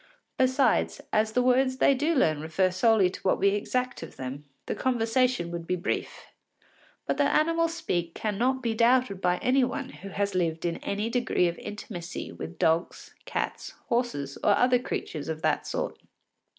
Besides, as the words they do learn refer solely to what we exact of them, the conversation would be brief. But that animals speak cannot be doubted by any one who has lived in any degree of intimacy with dogs, cats, horses, or other creatures of that sort.